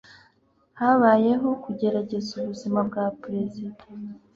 Habayeho kugerageza ubuzima bwa perezida